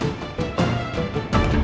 aku juga masih ada kerjaan